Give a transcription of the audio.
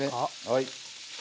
はい。